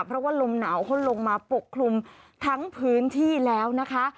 เพราะว่าลมหนาวเขาลงมาปกคลุมทั้งพื้นที่แล้วนะคะ